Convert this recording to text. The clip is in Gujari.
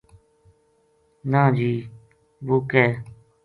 نہ جی ! وہ ک